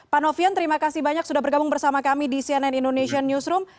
pak novian terima kasih banyak sudah bergabung bersama kami di cnn indonesian newsroom